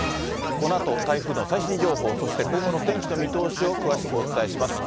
このあと、台風の最新情報、そして今後の天気の見通しを詳しくお伝えします。